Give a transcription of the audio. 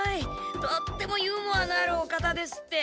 とってもユーモアのあるお方です」って。